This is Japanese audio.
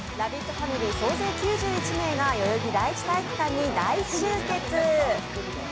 ファミリー総勢９１名が代々木第一体育館に大集結。